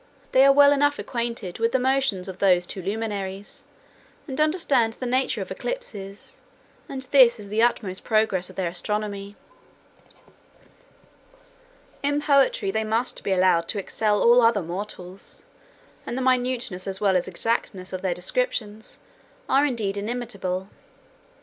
They are well enough acquainted with the motions of those two luminaries, and understand the nature of eclipses; and this is the utmost progress of their astronomy. In poetry, they must be allowed to excel all other mortals; wherein the justness of their similes, and the minuteness as well as exactness of their descriptions, are indeed inimitable.